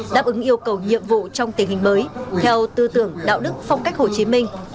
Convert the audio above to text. đáp ứng yêu cầu nhiệm vụ trong tình hình mới theo tư tưởng đạo đức phong cách hồ chí minh